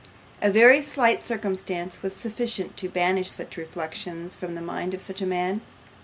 A very slight circumstance was sufficient to banish such reflections from the mind of such a man.